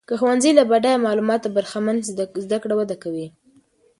که ښوونځۍ له بډایه معلوماتو برخمن سي، زده کړه وده کوي.